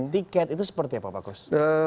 tiket itu seperti apa pak kus